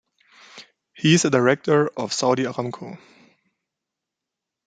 He is a director of Saudi Aramco.